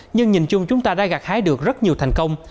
nhưng nhìn chung chúng ta đã gạt hái được rất nhiều thành công